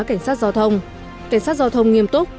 cảnh sát giao thông cảnh sát giao thông nghiêm túc